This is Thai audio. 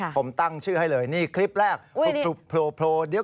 ผมตั้งชื่อให้เลย